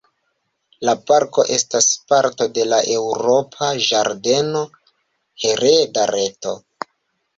La parko estas parto de la Eŭropa Ĝardeno-Hereda Reto.